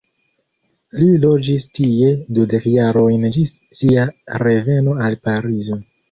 Li loĝis tie dudek jarojn ĝis sia reveno al Parizo.